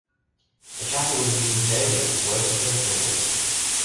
The chapel is used daily for worship and assemblies.